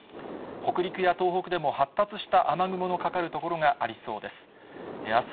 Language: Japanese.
北陸や東北でも発達した雨雲のかかる所がありそうです。